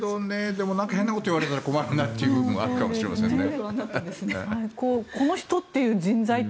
でも、なんか変なことを言われたら困るなっていう部分があるかもしれませんね。